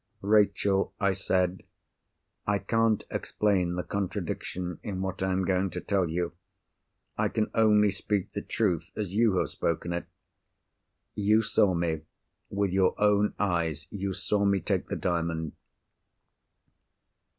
"Rachel," I said, "I can't explain the contradiction in what I am going to tell you. I can only speak the truth as you have spoken it. You saw me—with your own eyes, you saw me take the Diamond.